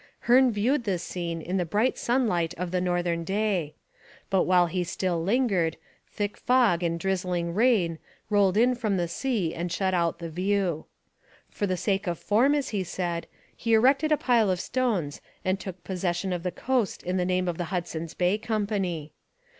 Hearne viewed this scene in the bright sunlight of the northern day: but while he still lingered, thick fog and drizzling rain rolled in from the sea and shut out the view. For the sake of form, as he said, he erected a pile of stones and took possession of the coast in the name of the Hudson's Bay Company.